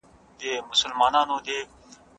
زخمونه لا هم د پټۍ په تمه دي.